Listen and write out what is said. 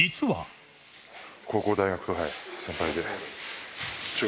高校、大学と先輩で。